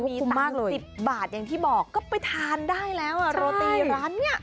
คุ้มมากเลย๑๐บาทอย่างที่บอกก็ไปทานได้แล้วอ่ะโรตีร้านเนี่ย